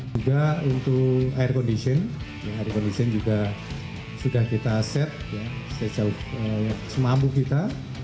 juga untuk air kondisien air kondisien juga sudah kita set semabuk kita